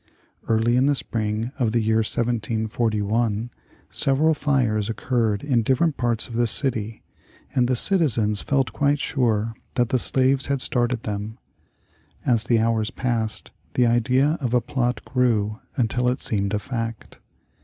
Early in the spring of the year 1741 several fires occurred in different parts of the city, and the citizens felt quite sure that the slaves had started them. As the hours passed, the idea of a plot grew until it seemed a fact.